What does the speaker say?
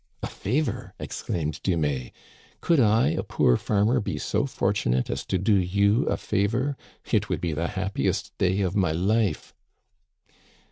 " A favor !" exclaimed Dumais. " Could I, a poor farmer, be so fortunate as to do you a favor ? It would be the happiest day of my life."